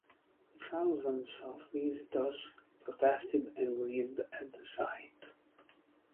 Thousands of visitors protested and grieved at the site.